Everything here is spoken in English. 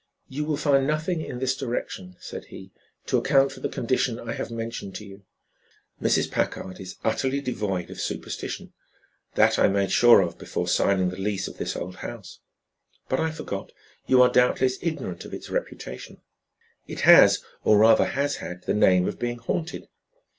"You will find nothing in this direction," said he, "to account for the condition I have mentioned to you. Mrs. Packard is utterly devoid of superstition. That I made sure of before signing the lease of this old house. But I forgot; you are doubtless ignorant of its reputation. It has, or rather has had, the name of being haunted.